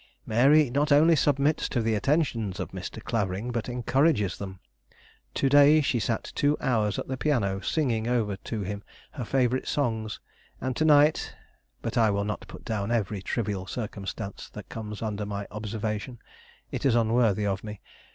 Mary not only submits to the attentions of Mr. Clavering, but encourages them. To day she sat two hours at the piano singing over to him her favorite songs, and to night But I will not put down every trivial circumstance that comes under my observation; it is unworthy of me.